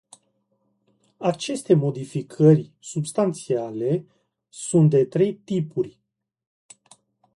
Aceste modificări substanțiale sunt de trei tipuri.